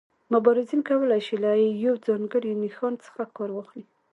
مبارزین کولای شي له یو ځانګړي نښان څخه کار واخلي.